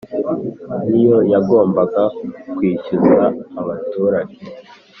niyo yagombaga kwishyuza abaturage